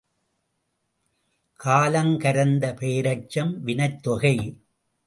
காலம் கரந்த பெயரெச்சம் வினைத்தொகை.